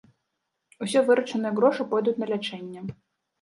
Усе выручаныя грошы пойдуць на лячэнне.